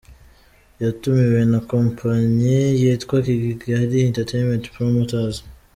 Yatumiwe na kompanyi yitwa Kigali Entertainment Promoters.